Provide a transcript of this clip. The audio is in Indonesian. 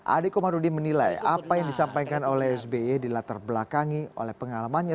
adek komarudin menilai apa yang disampaikan oleh sby di latar belakangi oleh pengalamannya